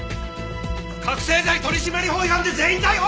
覚せい剤取締法違反で全員逮捕！